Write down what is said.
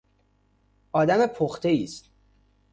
آد م پخته ایست